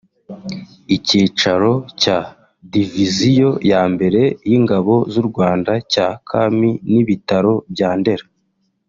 icyicaro cya Diviziyo ya Mbere y’Ingabo z’u Rwanda cya Kami n’Ibitaro bya Ndera